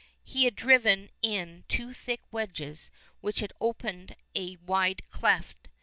He had driven in two thick wedges which had opened a wide cleft.